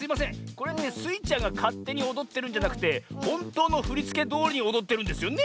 これってスイちゃんがかってにおどってるんじゃなくてほんとうのふりつけどおりにおどってるんですよね？